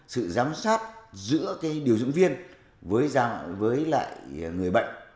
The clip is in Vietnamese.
sự giám sát giữa điều dưỡng viên với lại người bệnh